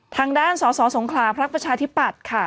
ทางด้านสสสงขลาพักประชาธิปัตย์ค่ะ